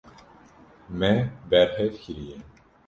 Me berhev kiriye.